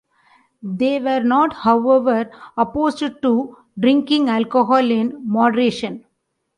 They were not, however, opposed to drinking alcohol in moderation.